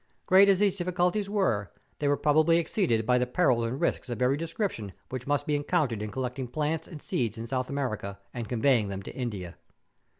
Grreat as these diffi¬ culties were, they were probably exceeded by the perils and risks of every description which must be encountered in collecting plants and seeds in South America, and conveying them to India.